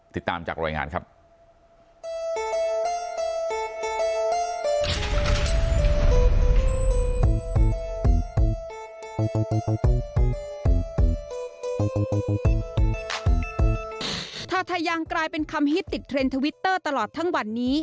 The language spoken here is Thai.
ติดตามจากรายงานครับ